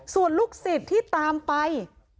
ส่วนลูกศึดที่ตามไป